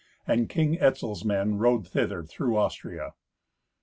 And King Etzel's men rode thither through Austria.